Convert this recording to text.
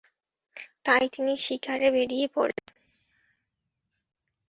তাই তিনি শিকারে বেরিয়ে পড়লেন।